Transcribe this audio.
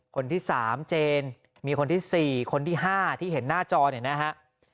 คนที่๓เจนมีคนที่๔คนที่๕ที่เห็นหน้าจอเนี่ยนะฮะ